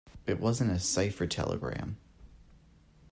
It wasn't a cipher telegram.